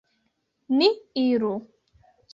Ni iru!